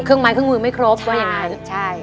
เครื่องไม้เครื่องมือไม่ครบว่าอย่างนั้น